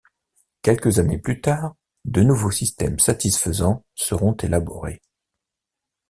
Quelques années plus tard de nouveaux systèmes satisfaisants seront élaborés.